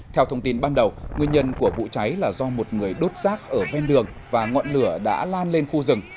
theo thông tin ban đầu nguyên nhân của vụ cháy là do một người đốt rác ở ven đường và ngọn lửa đã lan lên khu rừng